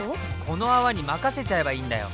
この泡に任せちゃえばいいんだよ！